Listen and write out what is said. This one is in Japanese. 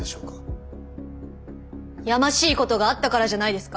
やましいことがあったからじゃないですか。